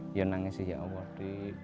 saya menangis ya allah